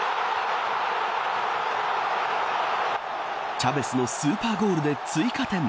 チャヴェスのスーパーゴールで追加点。